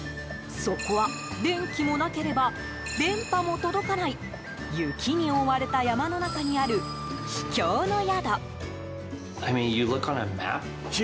そこは電気もなければ電波も届かない雪に覆われた山の中にある秘境の宿。